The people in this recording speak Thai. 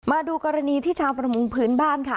มาดูกรณีที่ชาวประมงพื้นบ้านค่ะ